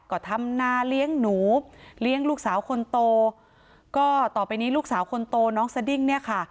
ก็ทำนาเลี้ยงหนูเลี้ยงลูกสาวคนโตก็ต่อไปนี้ลูกสาวคนโตน้องสดิ้งเนี่ยค่ะ